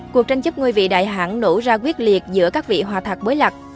cuộc tranh chấp ngôi vị đại hãng nổ ra quyết liệt giữa các vị hòa thạc bối lạc